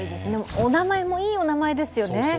お名前もいいお名前ですよね。